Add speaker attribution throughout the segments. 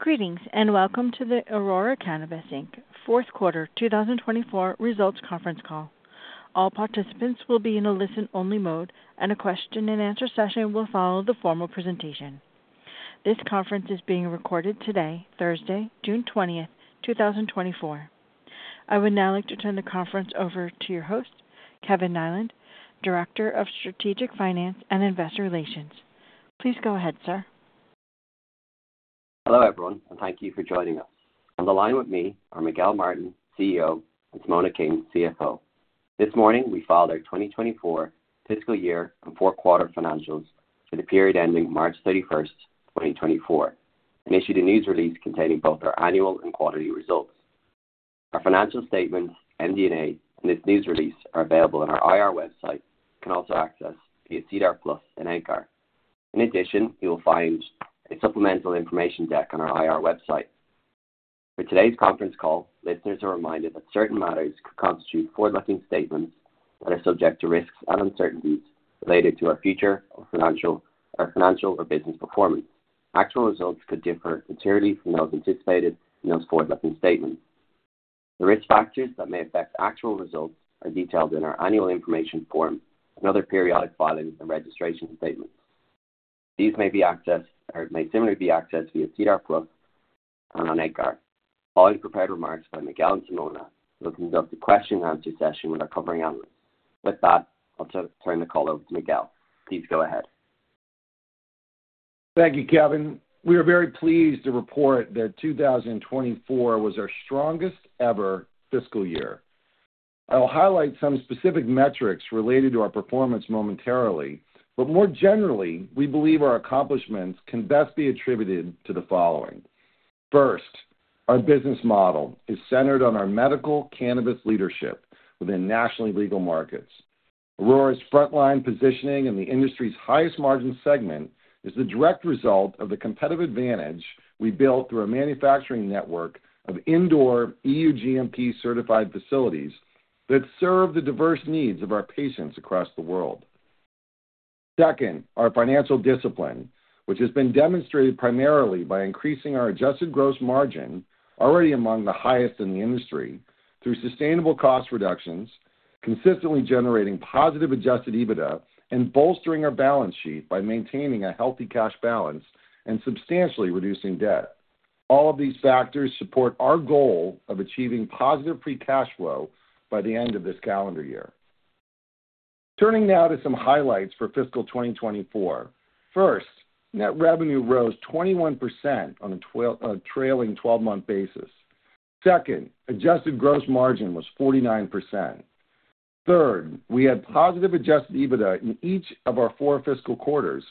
Speaker 1: Greetings and welcome to the Aurora Cannabis Inc. Fourth Quarter 2024 Results Conference Call. All participants will be in a listen-only mode, and a question-and-answer session will follow the formal presentation. This conference is being recorded today, Thursday, June 20th, 2024. I would now like to turn the conference over to your host, Kevin Niland, Director of Strategic Finance and Investor Relations. Please go ahead, sir.
Speaker 2: Hello, everyone, and thank you for joining us. On the line with me are Miguel Martin, CEO, and Simona King, CFO. This morning, we filed our 2024 fiscal year and fourth quarter financials for the period ending March 31st, 2024, and issued a news release containing both our annual and quarterly results. Our financial statements, MD&A, and this news release are available on our IR website. You can also access via SEDAR+ and EDGAR. In addition, you will find a supplemental information deck on our IR website. For today's conference call, listeners are reminded that certain matters could constitute forward-looking statements that are subject to risks and uncertainties related to our future or financial or business performance. Actual results could differ entirely from those anticipated in those forward-looking statements. The risk factors that may affect actual results are detailed in our annual information form and other periodic filing and registration statements. These may be accessed or may similarly be accessed via SEDAR+ and on EDGAR. Following prepared remarks by Miguel and Simona, we'll conduct a question-and-answer session with our covering analysts. With that, I'll turn the call over to Miguel. Please go ahead.
Speaker 3: Thank you, Kevin. We are very pleased to report that 2024 was our strongest ever fiscal year. I'll highlight some specific metrics related to our performance momentarily, but more generally, we believe our accomplishments can best be attributed to the following. First, our business model is centered on our medical cannabis leadership within nationally legal markets. Aurora's frontline positioning in the industry's highest margin segment is the direct result of the competitive advantage we built through a manufacturing network of indoor EU GMP-certified facilities that serve the diverse needs of our patients across the world. Second, our financial discipline, which has been demonstrated primarily by increasing our adjusted gross margin, already among the highest in the industry, through sustainable cost reductions, consistently generating positive adjusted EBITDA, and bolstering our balance sheet by maintaining a healthy cash balance and substantially reducing debt. All of these factors support our goal of achieving positive free cash flow by the end of this calendar year. Turning now to some highlights for fiscal 2024. First, net revenue rose 21% on a trailing 12-month basis. Second, adjusted gross margin was 49%. Third, we had positive adjusted EBITDA in each of our four fiscal quarters,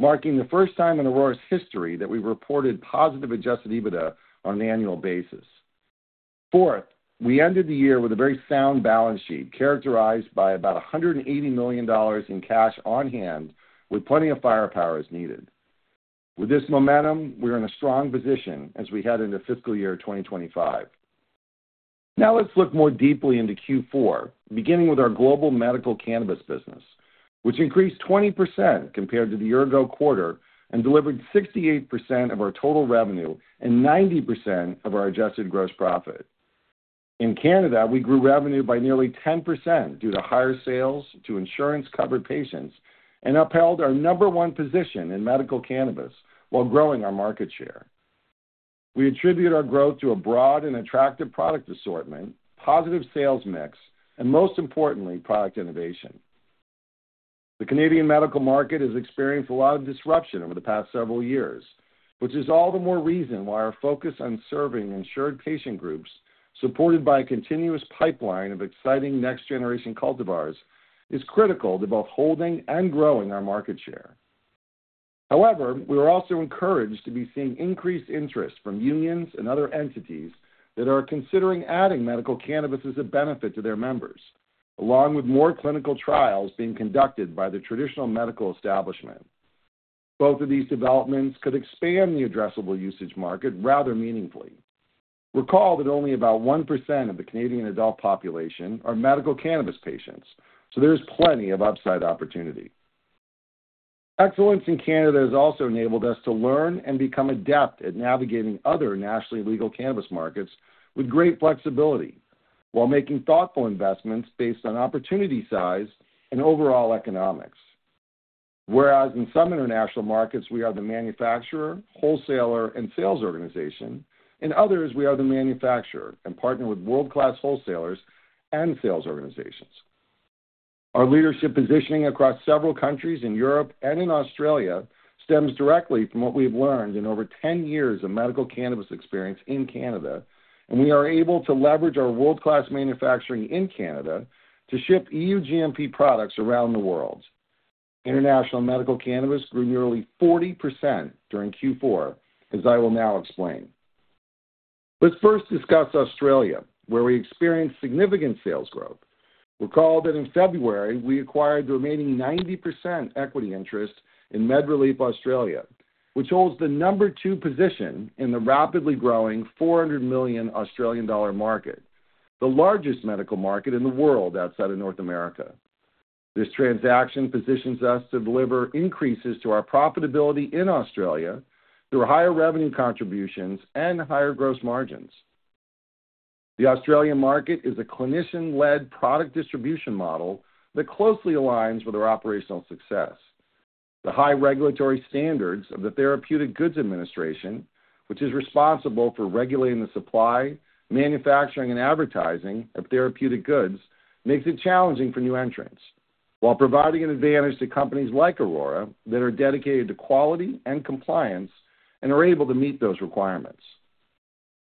Speaker 3: marking the first time in Aurora's history that we reported positive adjusted EBITDA on an annual basis. Fourth, we ended the year with a very sound balance sheet characterized by about 180 million dollars in cash on hand, with plenty of firepower as needed. With this momentum, we're in a strong position as we head into fiscal year 2025. Now let's look more deeply into Q4, beginning with our global medical cannabis business, which increased 20% compared to the year-ago quarter and delivered 68% of our total revenue and 90% of our adjusted gross profit. In Canada, we grew revenue by nearly 10% due to higher sales to insurance-covered patients and upheld our number one position in medical cannabis while growing our market share. We attribute our growth to a broad and attractive product assortment, positive sales mix, and most importantly, product innovation. The Canadian medical market has experienced a lot of disruption over the past several years, which is all the more reason why our focus on serving insured patient groups, supported by a continuous pipeline of exciting next-generation cultivars, is critical to both holding and growing our market share. However, we are also encouraged to be seeing increased interest from unions and other entities that are considering adding medical cannabis as a benefit to their members, along with more clinical trials being conducted by the traditional medical establishment. Both of these developments could expand the addressable usage market rather meaningfully. Recall that only about 1% of the Canadian adult population are medical cannabis patients, so there is plenty of upside opportunity. Excellence in Canada has also enabled us to learn and become adept at navigating other nationally legal cannabis markets with great flexibility while making thoughtful investments based on opportunity size and overall economics. Whereas in some international markets, we are the manufacturer, wholesaler, and sales organization, in others, we are the manufacturer and partner with world-class wholesalers and sales organizations. Our leadership positioning across several countries in Europe and in Australia stems directly from what we have learned in over 10 years of medical cannabis experience in Canada, and we are able to leverage our world-class manufacturing in Canada to ship EU GMP products around the world. International medical cannabis grew nearly 40% during Q4, as I will now explain. Let's first discuss Australia, where we experienced significant sales growth. Recall that in February, we acquired the remaining 90% equity interest in MedReleaf Australia, which holds the number two position in the rapidly growing 400 million Australian dollar market, the largest medical market in the world outside of North America. This transaction positions us to deliver increases to our profitability in Australia through higher revenue contributions and higher gross margins. The Australian market is a clinician-led product distribution model that closely aligns with our operational success. The high regulatory standards of the Therapeutic Goods Administration, which is responsible for regulating the supply, manufacturing, and advertising of therapeutic goods, make it challenging for new entrants, while providing an advantage to companies like Aurora that are dedicated to quality and compliance and are able to meet those requirements.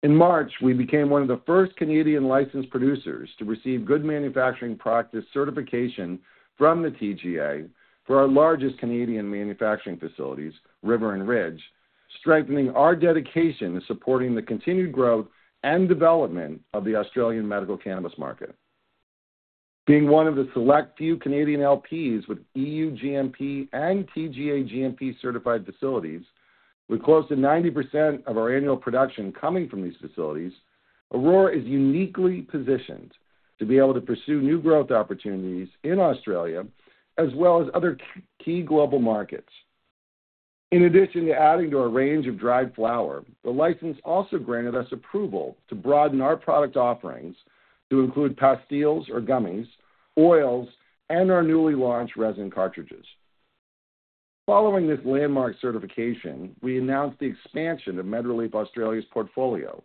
Speaker 3: In March, we became one of the first Canadian licensed producers to receive Good Manufacturing Practice certification from the TGA for our largest Canadian manufacturing facilities, River & Ridge, strengthening our dedication to supporting the continued growth and development of the Australian medical cannabis market. Being one of the select few Canadian LPs with EU GMP and TGA GMP-certified facilities, with close to 90% of our annual production coming from these facilities, Aurora is uniquely positioned to be able to pursue new growth opportunities in Australia as well as other key global markets. In addition to adding to our range of dried flower, the license also granted us approval to broaden our product offerings to include pastilles or gummies, oils, and our newly launched resin cartridges. Following this landmark certification, we announced the expansion of MedReleaf Australia's portfolio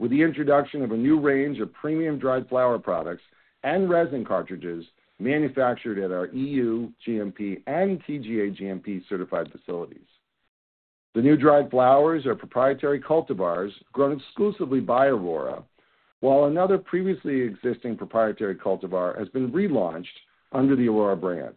Speaker 3: with the introduction of a new range of premium dried flower products and resin cartridges manufactured at our EU GMP and TGA GMP-certified facilities. The new dried flowers are proprietary cultivars grown exclusively by Aurora, while another previously existing proprietary cultivar has been relaunched under the Aurora brand.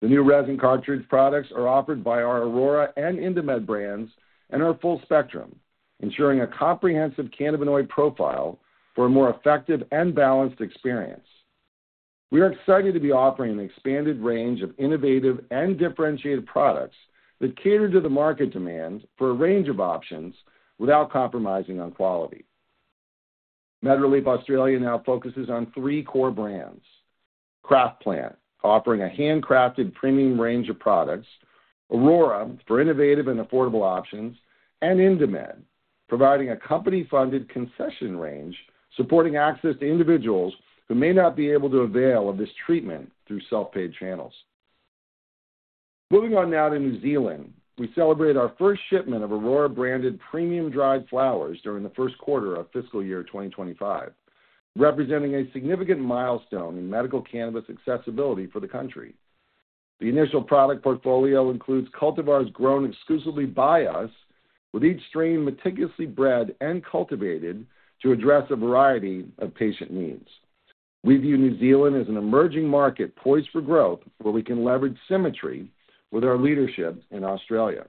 Speaker 3: The new resin cartridge products are offered by our Aurora and IndiMed brands and our full spectrum, ensuring a comprehensive cannabinoid profile for a more effective and balanced experience. We are excited to be offering an expanded range of innovative and differentiated products that cater to the market demand for a range of options without compromising on quality. MedReleaf Australia now focuses on three core brands: CraftPlant, offering a handcrafted premium range of products; Aurora, for innovative and affordable options; and IndiMed, providing a company-funded concession range supporting access to individuals who may not be able to avail of this treatment through self-paid channels. Moving on now to New Zealand, we celebrate our first shipment of Aurora-branded premium dried flowers during the first quarter of fiscal year 2025, representing a significant milestone in medical cannabis accessibility for the country. The initial product portfolio includes cultivars grown exclusively by us, with each strain meticulously bred and cultivated to address a variety of patient needs. We view New Zealand as an emerging market poised for growth where we can leverage symmetry with our leadership in Australia.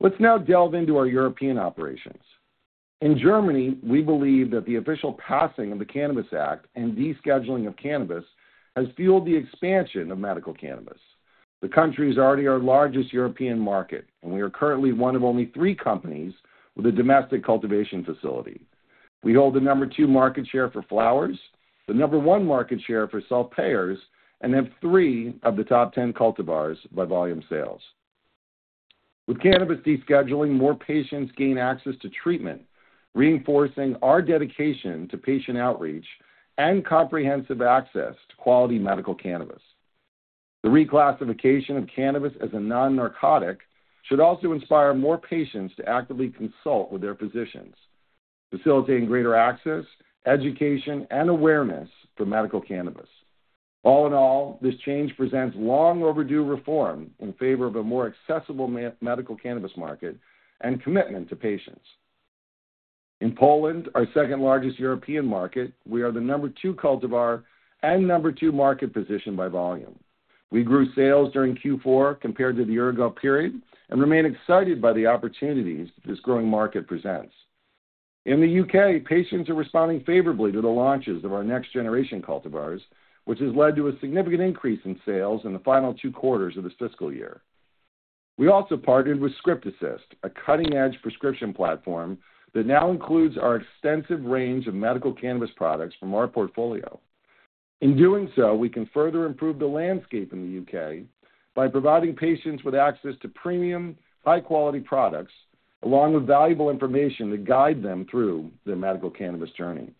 Speaker 3: Let's now delve into our European operations. In Germany, we believe that the official passing of the Cannabis Act and descheduling of cannabis has fueled the expansion of medical cannabis. The country is already our largest European market, and we are currently one of only three companies with a domestic cultivation facility. We hold the No. 2 market share for flowers, the No. 1 market share for self-payers, and have three of the top 10 cultivars by volume sales. With cannabis descheduling, more patients gain access to treatment, reinforcing our dedication to patient outreach and comprehensive access to quality medical cannabis. The reclassification of cannabis as a non-narcotic should also inspire more patients to actively consult with their physicians, facilitating greater access, education, and awareness for medical cannabis. All in all, this change presents long-overdue reform in favor of a more accessible medical cannabis market and commitment to patients. In Poland, our second-largest European market, we are the number 2 cultivar and number 2 market position by volume. We grew sales during Q4 compared to the year-ago period and remain excited by the opportunities that this growing market presents. In the UK, patients are responding favorably to the launches of our next-generation cultivars, which has led to a significant increase in sales in the final two quarters of this fiscal year. We also partnered with Script Assist, a cutting-edge prescription platform that now includes our extensive range of medical cannabis products from our portfolio. In doing so, we can further improve the landscape in the UK by providing patients with access to premium, high-quality products, along with valuable information to guide them through their medical cannabis journey.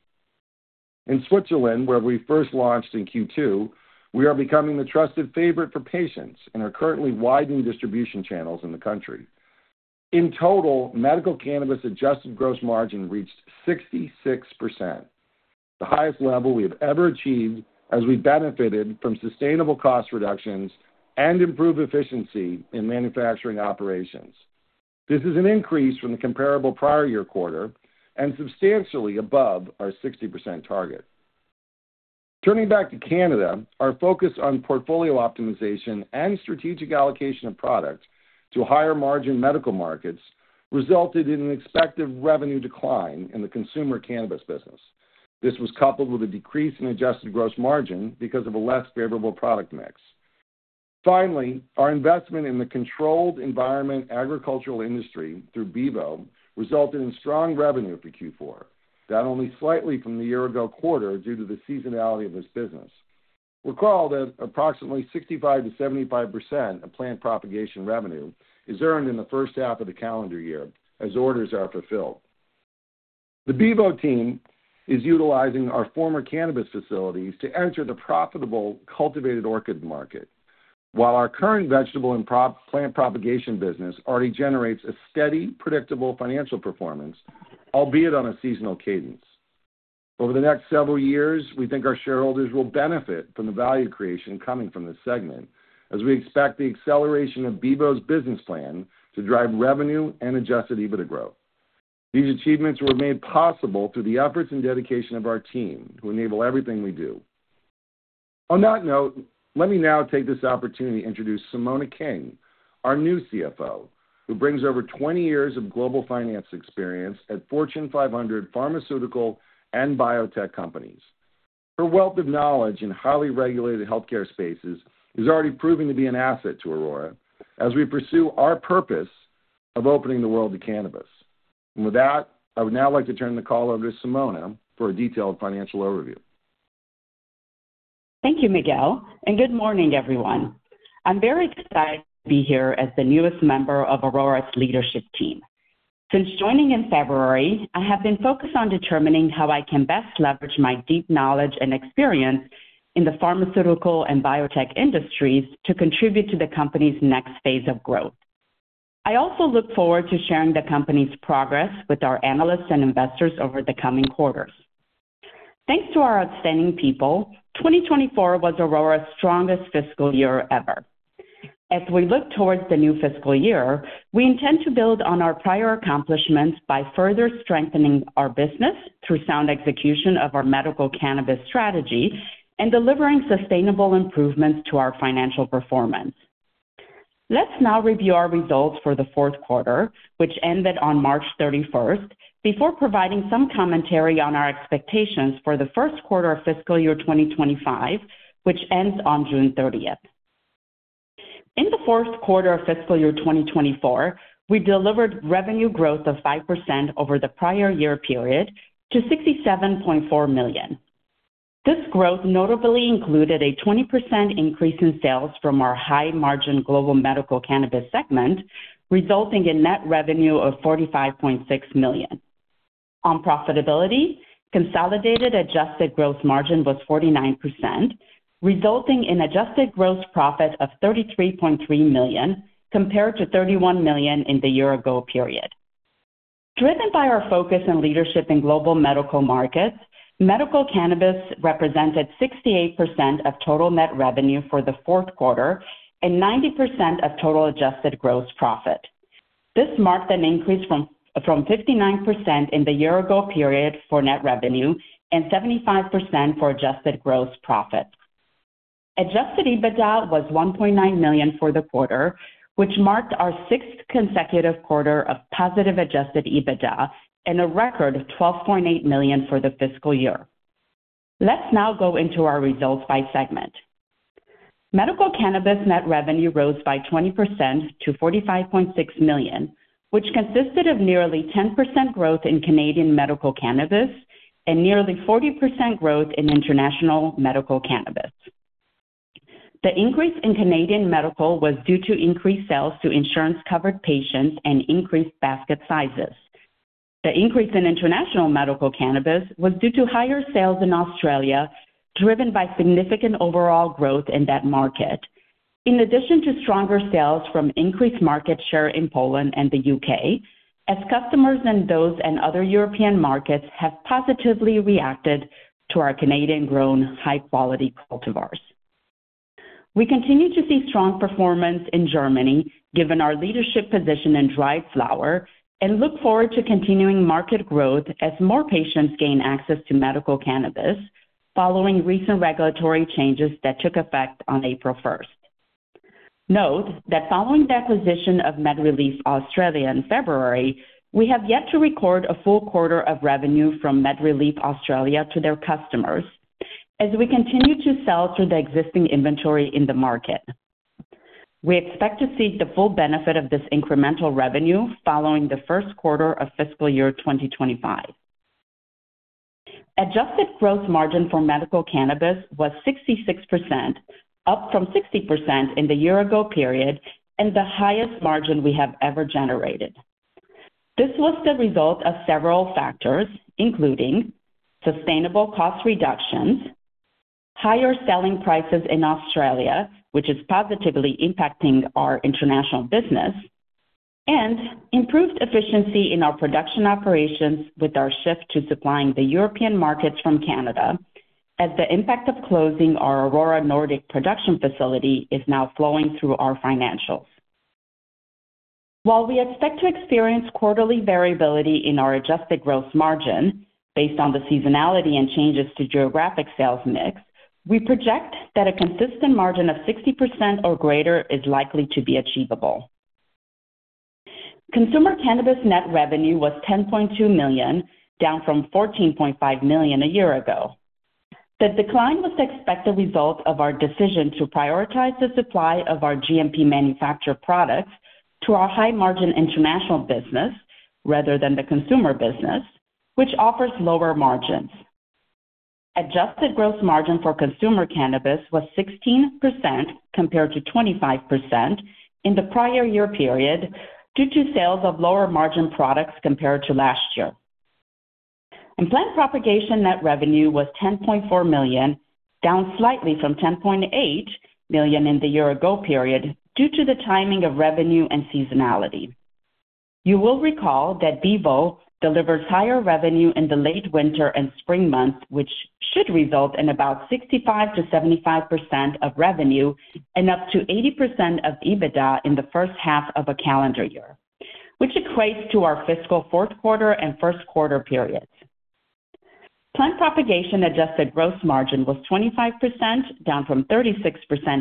Speaker 3: In Switzerland, where we first launched in Q2, we are becoming the trusted favorite for patients and are currently widening distribution channels in the country. In total, medical cannabis adjusted gross margin reached 66%, the highest level we have ever achieved as we benefited from sustainable cost reductions and improved efficiency in manufacturing operations. This is an increase from the comparable prior year quarter and substantially above our 60% target. Turning back to Canada, our focus on portfolio optimization and strategic allocation of product to higher-margin medical markets resulted in an expected revenue decline in the consumer cannabis business. This was coupled with a decrease in adjusted gross margin because of a less favorable product mix. Finally, our investment in the controlled environment agricultural industry through Bevo resulted in strong revenue for Q4, down only slightly from the year-ago quarter due to the seasonality of this business. Recall that approximately 65%-75% of plant propagation revenue is earned in the first half of the calendar year as orders are fulfilled. The Bevo team is utilizing our former cannabis facilities to enter the profitable cultivated orchid market, while our current vegetable and plant propagation business already generates a steady, predictable financial performance, albeit on a seasonal cadence. Over the next several years, we think our shareholders will benefit from the value creation coming from this segment, as we expect the acceleration of Bevo's business plan to drive revenue and Adjusted EBITDA growth. These achievements were made possible through the efforts and dedication of our team, who enable everything we do. On that note, let me now take this opportunity to introduce Simona King, our new CFO, who brings over 20 years of global finance experience at Fortune 500 pharmaceutical and biotech companies. Her wealth of knowledge in highly regulated healthcare spaces is already proving to be an asset to Aurora as we pursue our purpose of opening the world to cannabis. With that, I would now like to turn the call over to Simona for a detailed financial overview.
Speaker 4: Thank you, Miguel, and good morning, everyone. I'm very excited to be here as the newest member of Aurora's leadership team. Since joining in February, I have been focused on determining how I can best leverage my deep knowledge and experience in the pharmaceutical and biotech industries to contribute to the company's next phase of growth. I also look forward to sharing the company's progress with our analysts and investors over the coming quarters. Thanks to our outstanding people, 2024 was Aurora's strongest fiscal year ever. As we look towards the new fiscal year, we intend to build on our prior accomplishments by further strengthening our business through sound execution of our medical cannabis strategy and delivering sustainable improvements to our financial performance. Let's now review our results for the fourth quarter, which ended on March 31st, before providing some commentary on our expectations for the first quarter of fiscal year 2025, which ends on June 30th. In the fourth quarter of fiscal year 2024, we delivered revenue growth of 5% over the prior year period to 67.4 million. This growth notably included a 20% increase in sales from our high-margin global medical cannabis segment, resulting in net revenue of 45.6 million. On profitability, consolidated adjusted gross margin was 49%, resulting in adjusted gross profit of 33.3 million compared to 31 million in the year-ago period. Driven by our focus and leadership in global medical markets, medical cannabis represented 68% of total net revenue for the fourth quarter and 90% of total adjusted gross profit. This marked an increase from 59% in the year-ago period for net revenue and 75% for adjusted gross profit. Adjusted EBITDA was 1.9 million for the quarter, which marked our sixth consecutive quarter of positive adjusted EBITDA and a record of 12.8 million for the fiscal year. Let's now go into our results by segment. Medical cannabis net revenue rose by 20% to 45.6 million, which consisted of nearly 10% growth in Canadian medical cannabis and nearly 40% growth in international medical cannabis. The increase in Canadian medical was due to increased sales to insurance-covered patients and increased basket sizes. The increase in international medical cannabis was due to higher sales in Australia, driven by significant overall growth in that market, in addition to stronger sales from increased market share in Poland and the UK, as customers in those and other European markets have positively reacted to our Canadian-grown high-quality cultivars. We continue to see strong performance in Germany, given our leadership position in dried flower, and look forward to continuing market growth as more patients gain access to medical cannabis following recent regulatory changes that took effect on April 1st. Note that following the acquisition of MedReleaf Australia in February, we have yet to record a full quarter of revenue from MedReleaf Australia to their customers, as we continue to sell through the existing inventory in the market. We expect to see the full benefit of this incremental revenue following the first quarter of fiscal year 2025. Adjusted gross margin for medical cannabis was 66%, up from 60% in the year-ago period and the highest margin we have ever generated. This was the result of several factors, including sustainable cost reductions, higher selling prices in Australia, which is positively impacting our international business, and improved efficiency in our production operations with our shift to supplying the European markets from Canada, as the impact of closing our Aurora Nordic production facility is now flowing through our financials. While we expect to experience quarterly variability in our adjusted gross margin based on the seasonality and changes to geographic sales mix, we project that a consistent margin of 60% or greater is likely to be achievable. Consumer cannabis net revenue was 10.2 million, down from 14.5 million a year ago. The decline was expected as a result of our decision to prioritize the supply of our GMP-manufactured products to our high-margin international business rather than the consumer business, which offers lower margins. Adjusted gross margin for consumer cannabis was 16% compared to 25% in the prior year period due to sales of lower-margin products compared to last year. Plant propagation net revenue was 10.4 million, down slightly from 10.8 million in the year-ago period due to the timing of revenue and seasonality. You will recall that Bevo delivers higher revenue in the late winter and spring months, which should result in about 65%-75% of revenue and up to 80% of EBITDA in the first half of a calendar year, which equates to our fiscal fourth quarter and first quarter periods. Plant propagation adjusted gross margin was 25%, down from 36%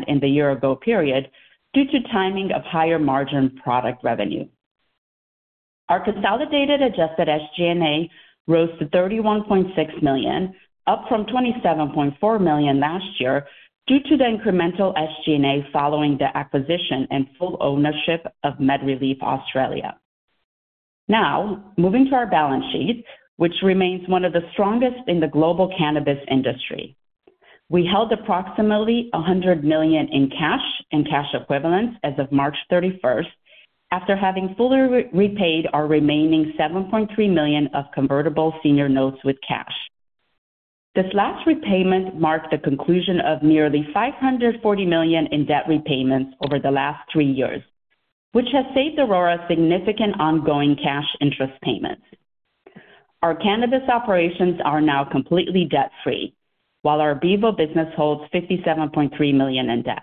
Speaker 4: in the year-ago period due to timing of higher-margin product revenue. Our consolidated adjusted SG&A rose to 31.6 million, up from 27.4 million last year due to the incremental SG&A following the acquisition and full ownership of MedReleaf Australia. Now, moving to our balance sheet, which remains one of the strongest in the global cannabis industry. We held approximately 100 million in cash and cash equivalents as of March 31st, after having fully repaid our remaining 7.3 million of convertible senior notes with cash. This last repayment marked the conclusion of nearly 540 million in debt repayments over the last three years, which has saved Aurora significant ongoing cash interest payments. Our cannabis operations are now completely debt-free, while our Bevo business holds 57.3 million in debt.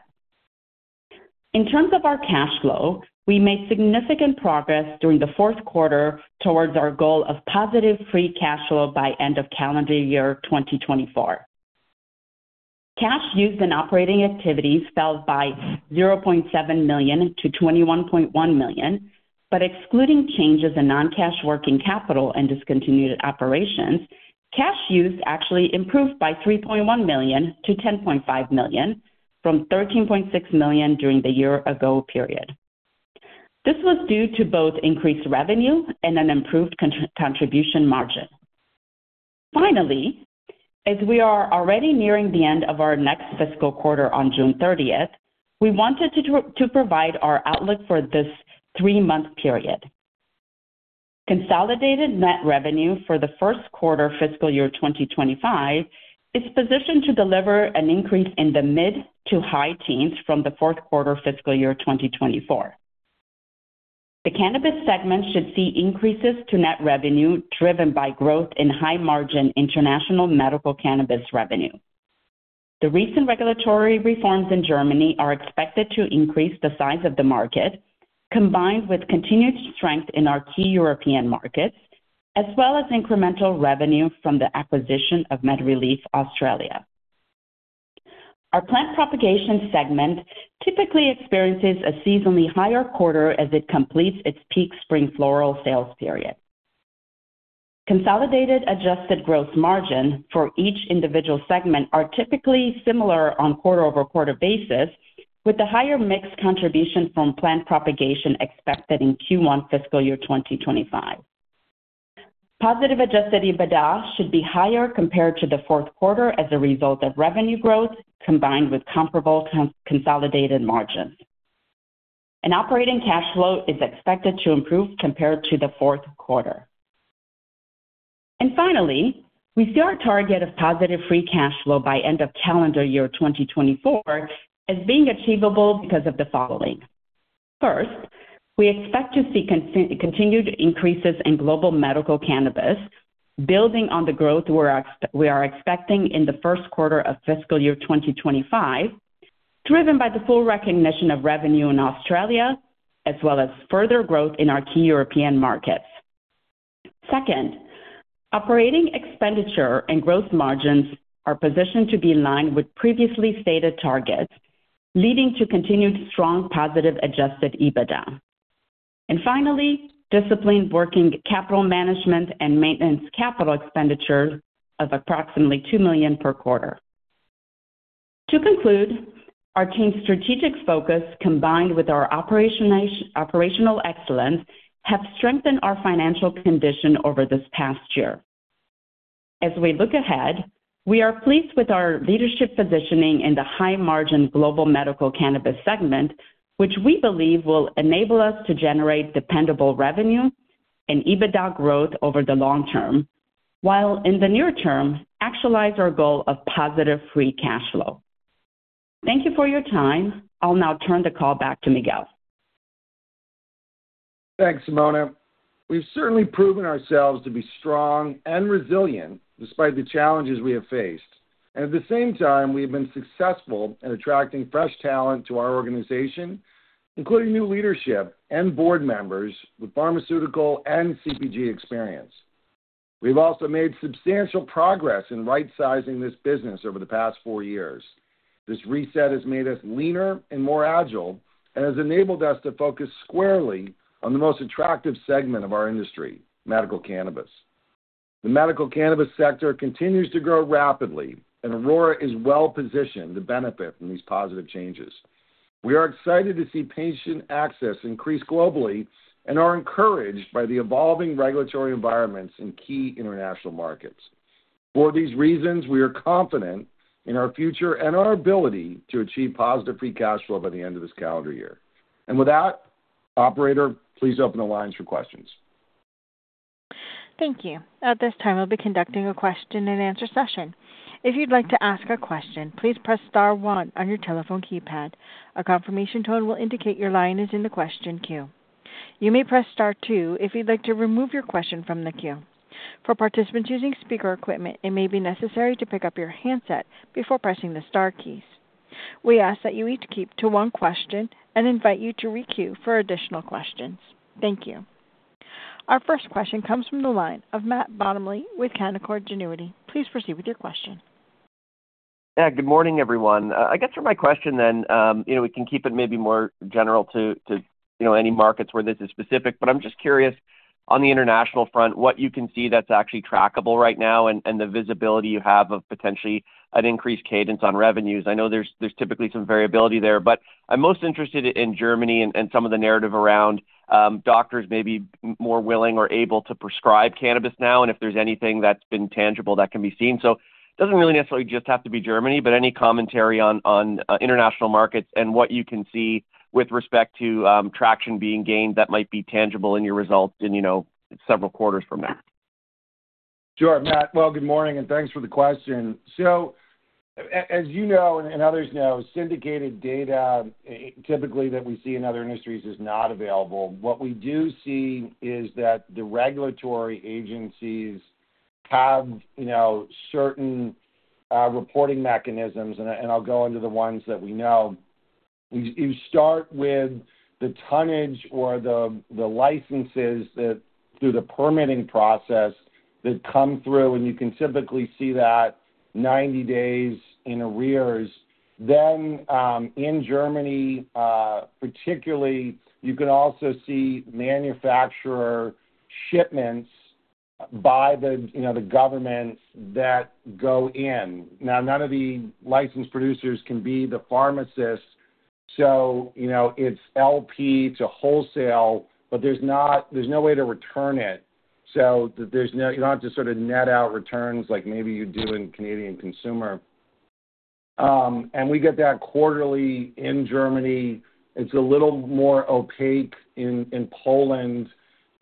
Speaker 4: In terms of our cash flow, we made significant progress during the fourth quarter towards our goal of positive free cash flow by end of calendar year 2024. Cash used in operating activities fell by 0.7 million to 21.1 million, but excluding changes in non-cash working capital and discontinued operations, cash used actually improved by 3.1 million to 10.5 million from 13.6 million during the year-ago period. This was due to both increased revenue and an improved contribution margin. Finally, as we are already nearing the end of our next fiscal quarter on June 30th, we wanted to provide our outlook for this three-month period. Consolidated net revenue for the first quarter fiscal year 2025 is positioned to deliver an increase in the mid to high teens from the fourth quarter fiscal year 2024. The cannabis segment should see increases to net revenue driven by growth in high-margin international medical cannabis revenue. The recent regulatory reforms in Germany are expected to increase the size of the market, combined with continued strength in our key European markets, as well as incremental revenue from the acquisition of MedReleaf Australia. Our plant propagation segment typically experiences a seasonally higher quarter as it completes its peak spring floral sales period. Consolidated adjusted gross margin for each individual segment are typically similar on quarter-over-quarter basis, with a higher mixed contribution from plant propagation expected in Q1 fiscal year 2025. Positive adjusted EBITDA should be higher compared to the fourth quarter as a result of revenue growth combined with comparable consolidated margins. Operating cash flow is expected to improve compared to the fourth quarter. And finally, we see our target of positive free cash flow by end of calendar year 2024 as being achievable because of the following. First, we expect to see continued increases in global medical cannabis, building on the growth we are expecting in the first quarter of fiscal year 2025, driven by the full recognition of revenue in Australia, as well as further growth in our key European markets. Second, operating expenditure and gross margins are positioned to be in line with previously stated targets, leading to continued strong positive adjusted EBITDA. And finally, disciplined working capital management and maintenance capital expenditures of approximately 2 million per quarter. To conclude, our team's strategic focus combined with our operational excellence have strengthened our financial condition over this past year. As we look ahead, we are pleased with our leadership positioning in the high-margin global medical cannabis segment, which we believe will enable us to generate dependable revenue and EBITDA growth over the long term, while in the near term actualize our goal of positive free cash flow. Thank you for your time. I'll now turn the call back to Miguel.
Speaker 3: Thanks, Simona. We've certainly proven ourselves to be strong and resilient despite the challenges we have faced. At the same time, we have been successful in attracting fresh talent to our organization, including new leadership and board members with pharmaceutical and CPG experience. We've also made substantial progress in right-sizing this business over the past four years. This reset has made us leaner and more agile and has enabled us to focus squarely on the most attractive segment of our industry, medical cannabis. The medical cannabis sector continues to grow rapidly, and Aurora is well positioned to benefit from these positive changes. We are excited to see patient access increase globally and are encouraged by the evolving regulatory environments in key international markets. For these reasons, we are confident in our future and our ability to achieve positive free cash flow by the end of this calendar year. And with that, operator, please open the lines for questions.
Speaker 1: Thank you. At this time, I'll be conducting a question-and-answer session. If you'd like to ask a question, please press Star 1 on your telephone keypad. A confirmation tone will indicate your line is in the question queue. You may press Star 2 if you'd like to remove your question from the queue. For participants using speaker equipment, it may be necessary to pick up your handset before pressing the Star keys. We ask that you each keep to one question and invite you to re-queue for additional questions. Thank you. Our first question comes from the line of Matt Bottomley with Canaccord Genuity. Please proceed with your question.
Speaker 5: Yeah, good morning, everyone. I guess for my question then, we can keep it maybe more general to any markets where this is specific, but I'm just curious on the international front, what you can see that's actually trackable right now and the visibility you have of potentially an increased cadence on revenues. I know there's typically some variability there, but I'm most interested in Germany and some of the narrative around doctors maybe more willing or able to prescribe cannabis now and if there's anything that's been tangible that can be seen. So it doesn't really necessarily just have to be Germany, but any commentary on international markets and what you can see with respect to traction being gained that might be tangible in your results in several quarters from now?
Speaker 3: Sure, Matt. Well, good morning, and thanks for the question. So as you know and others know, syndicated data typically that we see in other industries is not available. What we do see is that the regulatory agencies have certain reporting mechanisms, and I'll go into the ones that we know. You start with the tonnage or the licenses through the permitting process that come through, and you can typically see that 90 days in arrears. Then in Germany, particularly, you can also see manufacturer shipments by the government that go in. Now, none of the licensed producers can be the pharmacists, so it's LP to wholesale, but there's no way to return it. So you don't have to sort of net out returns like maybe you do in Canadian consumer. And we get that quarterly in Germany. It's a little more opaque in Poland.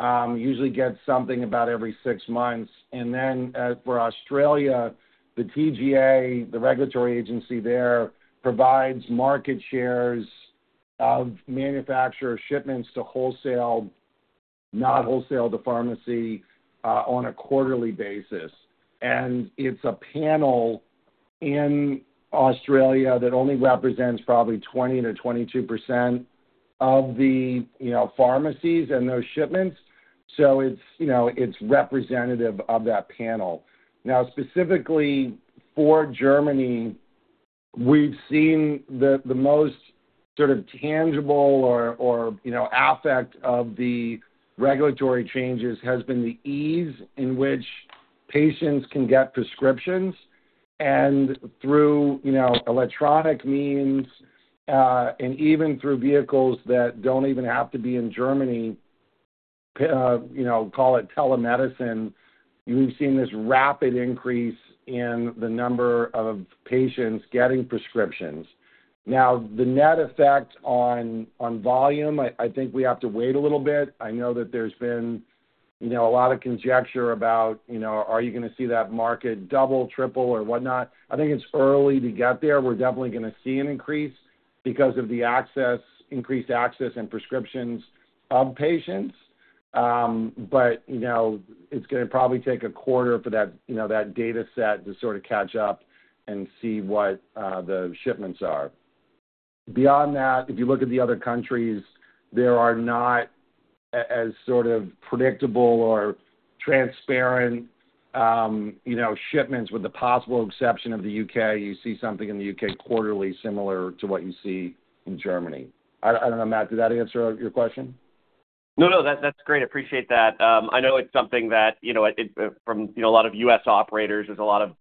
Speaker 3: Usually gets something about every six months. And then for Australia, the TGA, the regulatory agency there, provides market shares of manufacturer shipments to wholesale, not wholesale to pharmacy on a quarterly basis. And it's a panel in Australia that only represents probably 20%-22% of the pharmacies and those shipments, so it's representative of that panel. Now, specifically for Germany, we've seen the most sort of tangible or effect of the regulatory changes has been the ease in which patients can get prescriptions and through electronic means and even through vehicles that don't even have to be in Germany, call it telemedicine. We've seen this rapid increase in the number of patients getting prescriptions. Now, the net effect on volume, I think we have to wait a little bit. I know that there's been a lot of conjecture about, are you going to see that market double, triple, or whatnot. I think it's early to get there. We're definitely going to see an increase because of the increased access and prescriptions of patients, but it's going to probably take a quarter for that dataset to sort of catch up and see what the shipments are. Beyond that, if you look at the other countries, there are not as sort of predictable or transparent shipments with the possible exception of the U.K. You see something in the U.K. quarterly similar to what you see in Germany. I don't know, Matt, did that answer your question?
Speaker 5: No, no. That's great. I appreciate that. I know it's something that from a lot of U.S. operators, there's a lot of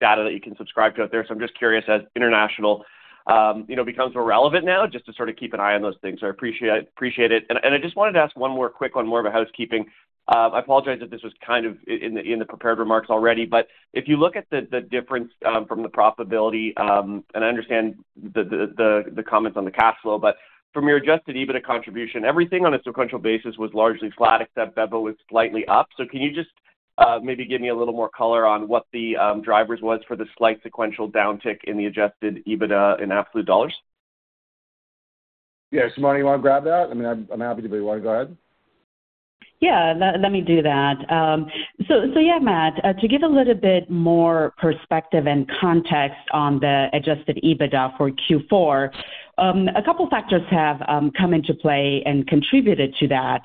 Speaker 5: data that you can subscribe to out there. So I'm just curious as international becomes more relevant now, just to sort of keep an eye on those things. I appreciate it. And I just wanted to ask one more quick one, more of a housekeeping. I apologize if this was kind of in the prepared remarks already, but if you look at the difference from the profitability, and I understand the comments on the cash flow, but from your adjusted EBITDA contribution, everything on a sequential basis was largely flat except Bevo was slightly up. So can you just maybe give me a little more color on what the drivers was for the slight sequential downtick in the adjusted EBITDA in absolute dollars?
Speaker 3: Yeah. Simona, you want to grab that? I mean, I'm happy to, but you want to go ahead?
Speaker 4: Yeah. Let me do that. So yeah, Matt, to give a little bit more perspective and context on the adjusted EBITDA for Q4, a couple of factors have come into play and contributed to that.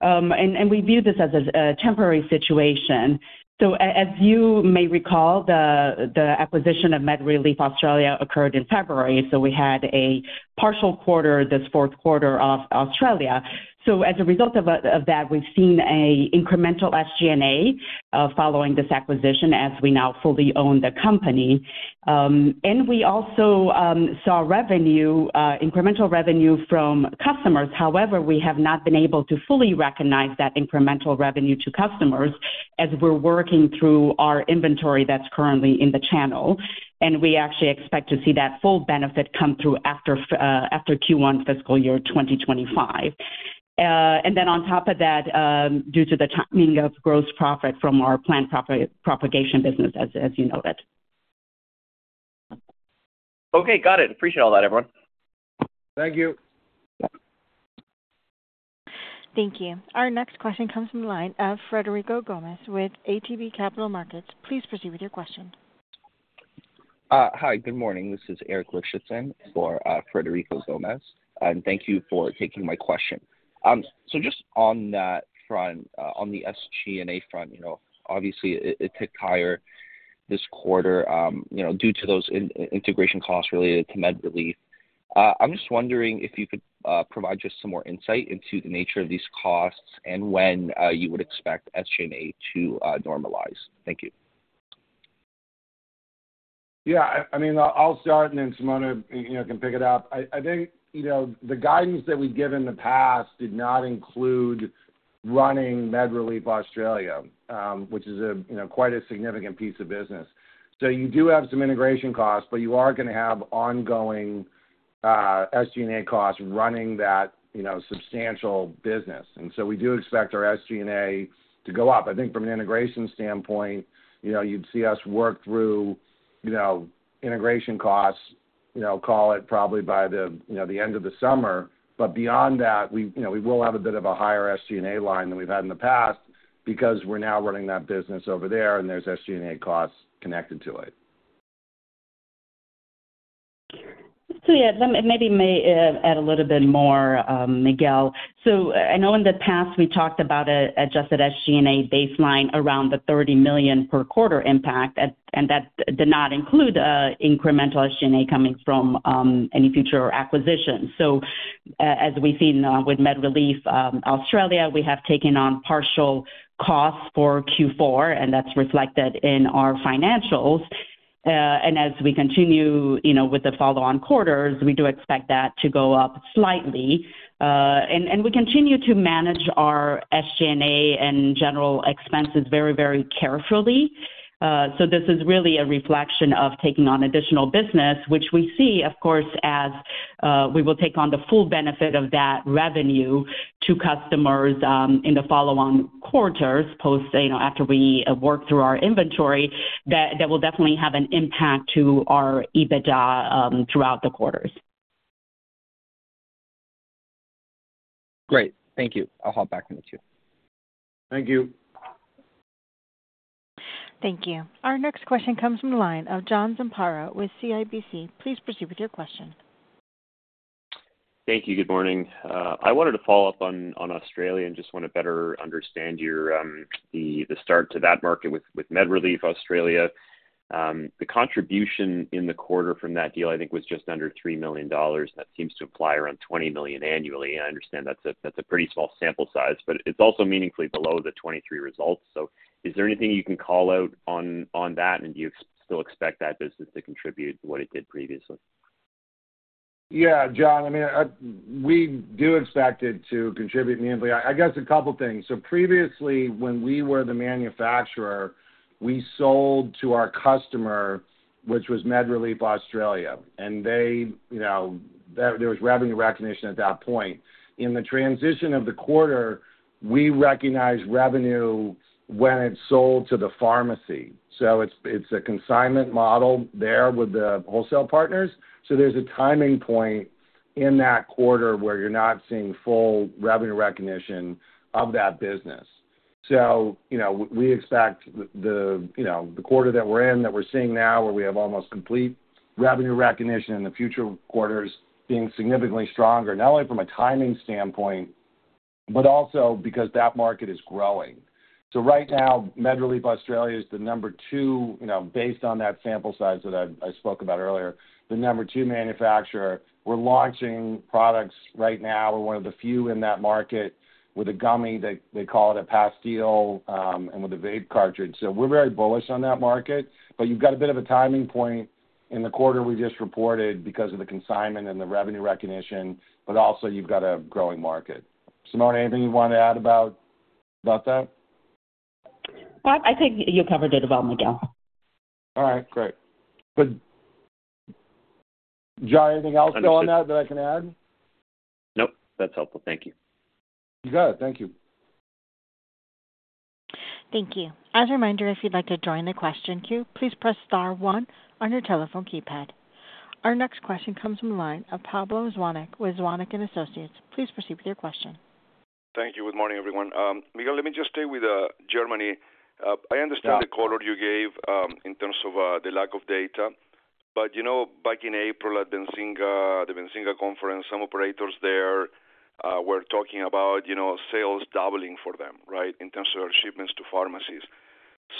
Speaker 4: And we view this as a temporary situation. So as you may recall, the acquisition of MedReleaf Australia occurred in February. So we had a partial quarter this fourth quarter of Australia. So as a result of that, we've seen an incremental SG&A following this acquisition as we now fully own the company. And we also saw incremental revenue from customers. However, we have not been able to fully recognize that incremental revenue to customers as we're working through our inventory that's currently in the channel. And we actually expect to see that full benefit come through after Q1 fiscal year 2025. And then on top of that, due to the timing of gross profit from our plant propagation business, as you noted.
Speaker 5: Okay. Got it. Appreciate all that, everyone.
Speaker 3: Thank you.
Speaker 1: Thank you. Our next question comes from the line of Frederico Gomes with ATB Capital Markets. Please proceed with your question. Hi. Good morning.
Speaker 6: This is Eric Lichtenstein for Frederico Gomes. Thank you for taking my question. Just on that front, on the SG&A front, obviously, it ticked higher this quarter due to those integration costs related to MedReleaf. I'm just wondering if you could provide just some more insight into the nature of these costs and when you would expect SG&A to normalize. Thank you.
Speaker 3: Yeah. I mean, I'll start, and then Simona can pick it up. I think the guidance that we've given in the past did not include running MedReleaf Australia, which is quite a significant piece of business. So you do have some integration costs, but you are going to have ongoing SG&A costs running that substantial business. And so we do expect our SG&A to go up. I think from an integration standpoint, you'd see us work through integration costs, call it probably by the end of the summer. But beyond that, we will have a bit of a higher SG&A line than we've had in the past because we're now running that business over there, and there's SG&A costs connected to it.
Speaker 4: So yeah, maybe may add a little bit more, Miguel. So I know in the past we talked about an adjusted SG&A baseline around 30 million per quarter impact, and that did not include incremental SG&A coming from any future acquisitions. So as we've seen with MedReleaf Australia, we have taken on partial costs for Q4, and that's reflected in our financials. And as we continue with the follow-on quarters, we do expect that to go up slightly. And we continue to manage our SG&A and general expenses very, very carefully. So this is really a reflection of taking on additional business, which we see, of course, as we will take on the full benefit of that revenue to customers in the follow-on quarters after we work through our inventory. That will definitely have an impact to our EBITDA throughout the quarters.
Speaker 6: Great. Thank you. I'll hop back in with you.
Speaker 3: Thank you.
Speaker 1: Thank you. Our next question comes from the line of John Zamparo with CIBC. Please proceed with your question.
Speaker 7: Thank you. Good morning. I wanted to follow up on Australia and just want to better understand the start to that market with MedReleaf Australia. The contribution in the quarter from that deal, I think, was just under 3 million dollars. That seems to apply around 20 million annually. And I understand that's a pretty small sample size, but it's also meaningfully below the 2023 results. So is there anything you can call out on that, and do you still expect that business to contribute what it did previously?
Speaker 3: Yeah, John, I mean, we do expect it to contribute meaningfully. I guess a couple of things. So previously, when we were the manufacturer, we sold to our customer, which was MedReleaf Australia, and there was revenue recognition at that point. In the transition of the quarter, we recognized revenue when it sold to the pharmacy. So it's a consignment model there with the wholesale partners. So there's a timing point in that quarter where you're not seeing full revenue recognition of that business. So we expect the quarter that we're in, that we're seeing now, where we have almost complete revenue recognition in the future quarters being significantly stronger, not only from a timing standpoint, but also because that market is growing. So right now, MedReleaf Australia is the number two, based on that sample size that I spoke about earlier, the number two manufacturer. We're launching products right now. We're one of the few in that market with a gummy that they call it a pastille and with a vape cartridge. So we're very bullish on that market, but you've got a bit of a timing point in the quarter we just reported because of the consignment and the revenue recognition, but also you've got a growing market. Simona, anything you want to add about that?
Speaker 4: I think you covered it well, Miguel.
Speaker 3: All right. Great. But John, anything else going on that I can add?
Speaker 7: Nope. That's helpful. Thank you.
Speaker 3: You got it. Thank you.
Speaker 1: Thank you. As a reminder, if you'd like to join the question queue, please press star one on your telephone keypad.
Speaker 3: Our next question comes from the line of Pablo Zuanic with Zuanic & Associates. Please proceed with your question.
Speaker 8: Thank you. Good morning, everyone. Miguel, let me just stay with Germany. I understand the quarter you gave in terms of the lack of data, but back in April at Benzinga, the Benzinga conference, some operators there were talking about sales doubling for them, right, in terms of their shipments to pharmacies.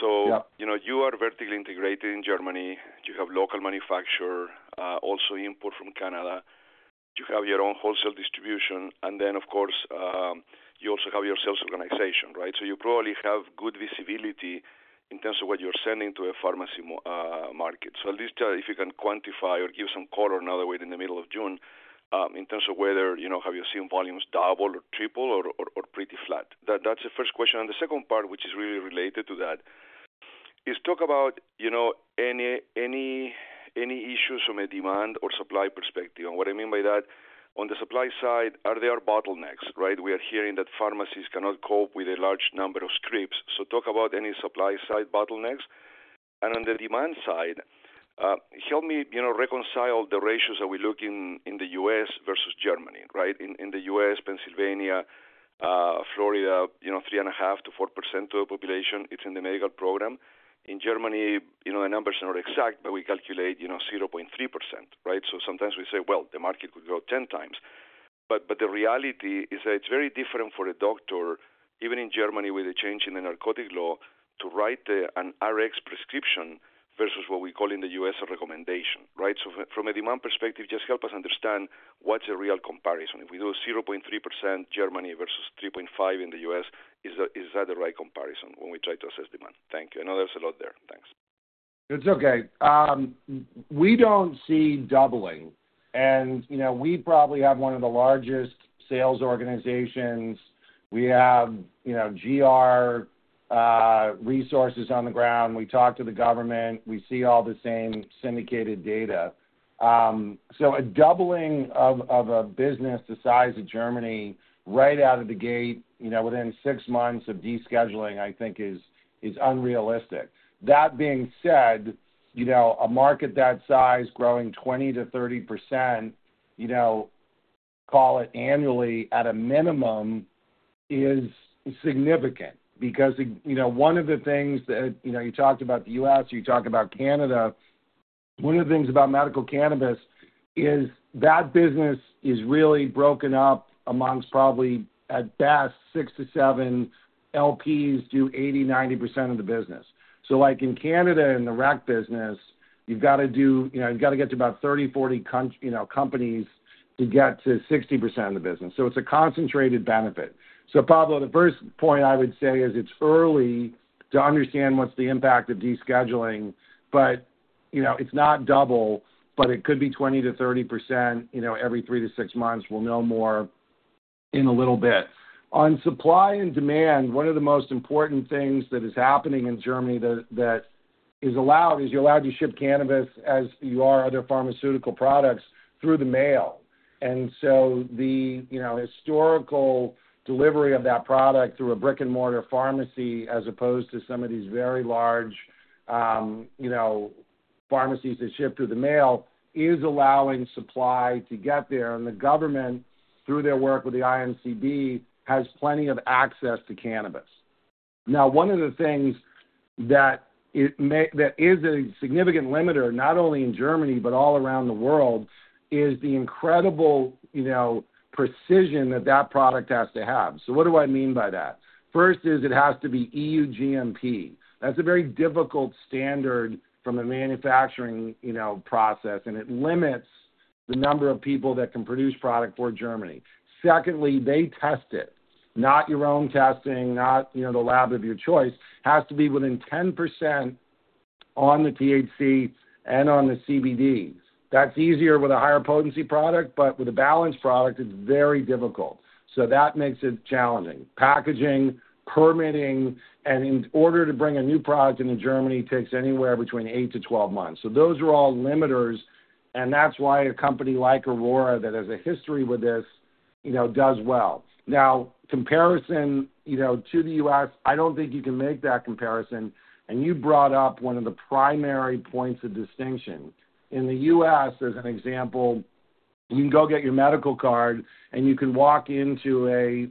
Speaker 8: So you are vertically integrated in Germany. You have local manufacturer, also input from Canada. You have your own wholesale distribution. And then, of course, you also have your sales organization, right? So you probably have good visibility in terms of what you're sending to a pharmacy market. So at least if you can quantify or give some color now that we're in the middle of June in terms of whether have you seen volumes double or triple or pretty flat. That's the first question. And the second part, which is really related to that, is talk about any issues from a demand or supply perspective. And what I mean by that, on the supply side, are there bottlenecks, right? We are hearing that pharmacies cannot cope with a large number of scripts. So talk about any supply-side bottlenecks. And on the demand side, help me reconcile the ratios that we look in the U.S. versus Germany, right? In the U.S., Pennsylvania, Florida, 3.5%-4% of the population. It's in the medical program. In Germany, the numbers are not exact, but we calculate 0.3%, right? So sometimes we say, well, the market could grow 10 times. But the reality is that it's very different for a doctor, even in Germany with a change in the narcotic law, to write an Rx prescription versus what we call in the U.S. a recommendation, right? So from a demand perspective, just help us understand what's a real comparison. If we do 0.3% Germany versus 3.5% in the U.S., is that the right comparison when we try to assess demand? Thank you. I know there's a lot there. Thanks.
Speaker 3: It's okay. We don't see doubling. And we probably have one of the largest sales organizations. We have GR resources on the ground. We talk to the government. We see all the same syndicated data. So a doubling of a business the size of Germany right out of the gate within six months of descheduling, I think, is unrealistic. That being said, a market that size growing 20%-30%, call it annually, at a minimum, is significant because one of the things that you talked about the US, you talk about Canada, one of the things about medical cannabis is that business is really broken up amongst probably at best six to seven LPs do 80%-90% of the business. So in Canada and the rec business, you've got to do you've got to get to about 30-40 companies to get to 60% of the business. So it's a concentrated benefit. So Pablo, the first point I would say is it's early to understand what's the impact of descheduling, but it's not double, but it could be 20%-30% every three to six months. We'll know more in a little bit. On supply and demand, one of the most important things that is happening in Germany that is allowed is you're allowed to ship cannabis as you are other pharmaceutical products through the mail. And so the historical delivery of that product through a brick-and-mortar pharmacy as opposed to some of these very large pharmacies that ship through the mail is allowing supply to get there. And the government, through their work with the INCB, has plenty of access to cannabis. Now, one of the things that is a significant limiter, not only in Germany, but all around the world, is the incredible precision that that product has to have. So what do I mean by that? First is it has to be EU GMP. That's a very difficult standard from a manufacturing process, and it limits the number of people that can produce product for Germany. Secondly, they test it. Not your own testing, not the lab of your choice. It has to be within 10% on the THC and on the CBD. That's easier with a higher potency product, but with a balanced product, it's very difficult. So that makes it challenging. Packaging, permitting, and in order to bring a new product into Germany takes anywhere between 8-12 months. So those are all limiters, and that's why a company like Aurora that has a history with this does well. Now, comparison to the U.S., I don't think you can make that comparison. And you brought up one of the primary points of distinction. In the U.S., as an example, you can go get your medical card, and you can walk into a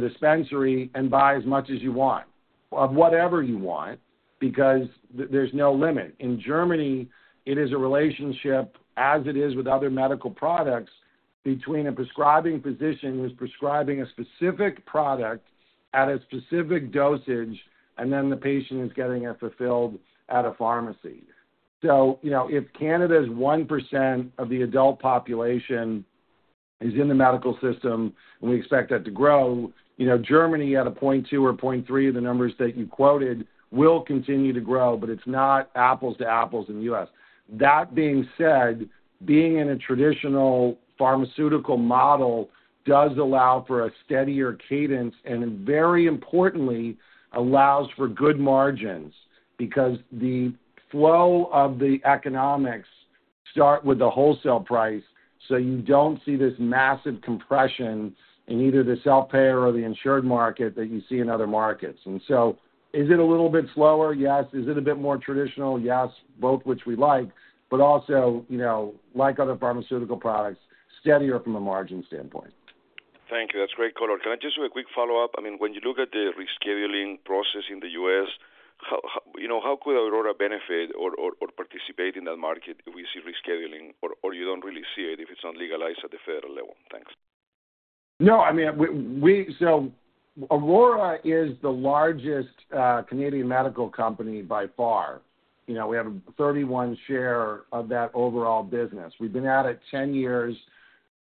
Speaker 3: dispensary and buy as much as you want of whatever you want because there's no limit. In Germany, it is a relationship, as it is with other medical products, between a prescribing physician who's prescribing a specific product at a specific dosage, and then the patient is getting it fulfilled at a pharmacy. So if Canada's 1% of the adult population is in the medical system, and we expect that to grow, Germany at a 0.2 or 0.3 of the numbers that you quoted will continue to grow, but it's not apples to apples in the U.S. That being said, being in a traditional pharmaceutical model does allow for a steadier cadence and, very importantly, allows for good margins because the flow of the economics start with the wholesale price, so you don't see this massive compression in either the self-payer or the insured market that you see in other markets. And so is it a little bit slower? Yes. Is it a bit more traditional? Yes, both which we like, but also, like other pharmaceutical products, steadier from a margin standpoint.
Speaker 8: Thank you. That's great color. Can I just do a quick follow-up? I mean, when you look at the rescheduling process in the U.S., how could Aurora benefit or participate in that market if we see rescheduling, or you don't really see it if it's not legalized at the federal level? Thanks.
Speaker 3: No, I mean, so Aurora is the largest Canadian medical company by far. We have a 31% share of that overall business. We've been at it 10 years.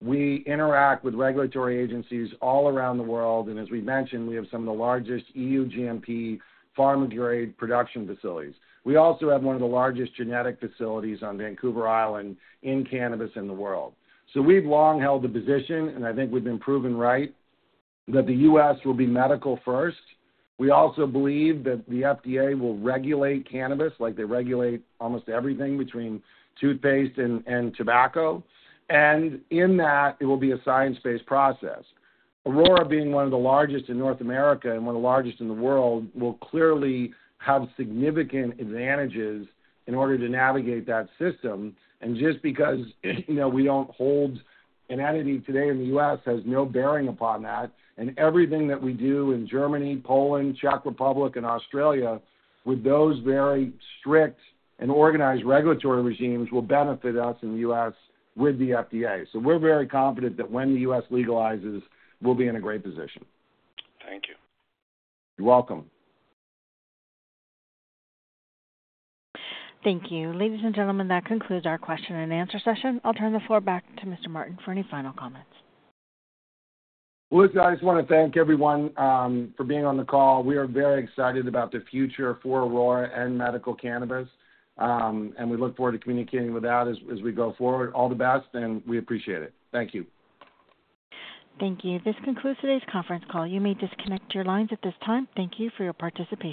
Speaker 3: We interact with regulatory agencies all around the world. And as we mentioned, we have some of the largest EU GMP pharma-grade production facilities. We also have one of the largest genetic facilities on Vancouver Island in cannabis in the world. So we've long held the position, and I think we've been proven right, that the U.S. will be medical first. We also believe that the FDA will regulate cannabis like they regulate almost everything between toothpaste and tobacco. And in that, it will be a science-based process. Aurora, being one of the largest in North America and one of the largest in the world, will clearly have significant advantages in order to navigate that system. And just because we don't hold an entity today in the U.S. has no bearing upon that. And everything that we do in Germany, Poland, Czech Republic, and Australia with those very strict and organized regulatory regimes will benefit us in the U.S. with the FDA. So we're very confident that when the U.S. legalizes, we'll be in a great position.
Speaker 8: Thank you.
Speaker 3: You're welcome.
Speaker 1: Thank you. Ladies and gentlemen, that concludes our question and answer session. I'll turn the floor back to Mr. Martin for any final comments.
Speaker 3: Well, I just want to thank everyone for being on the call. We are very excited about the future for Aurora and medical cannabis. We look forward to communicating with that as we go forward. All the best, and we appreciate it. Thank you.
Speaker 1: Thank you. This concludes today's conference call. You may disconnect your lines at this time. Thank you for your participation.